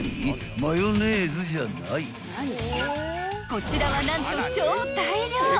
［こちらは何と超大量！